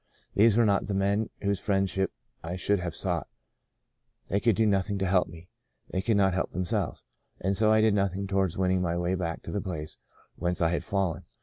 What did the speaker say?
These were not the men whose friendship I should have sought ; they could do nothing to help me — they could not help themselves. And so I did nothing towards winning my way back to the place whence I had fallen.